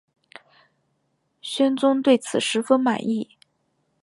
宣宗对此十分满意。